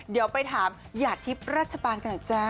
เดี๋ยวไปถามหญัดทริปรัชบาลกันเหรอจ้ะ